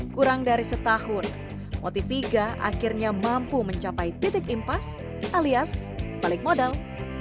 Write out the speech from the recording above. kurang dari setahun motiviga akhirnya mampu mencapai titik impas alias balik modal